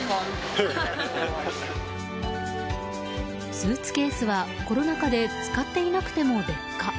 スーツケースはコロナ禍で使っていなくても劣化。